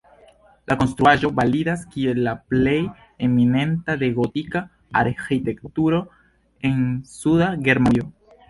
La konstruaĵo validas kiel la plej eminenta de gotika arĥitekturo en suda Germanujo.